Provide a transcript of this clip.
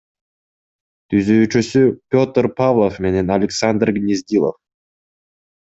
Түзүүчүсү — Петр Павлов менен Александр Гнездилов.